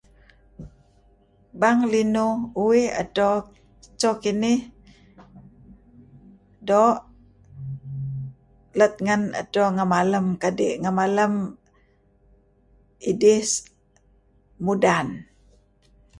Bang linuh nuih edto/acho sinih doo' let ngan edto ngimalem kadi' ngi malem idih mudan